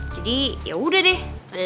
jadi yaudah deh